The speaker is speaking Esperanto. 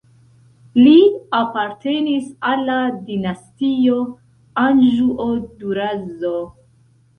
Li apartenis al la dinastio Anĵuo-Durazzo.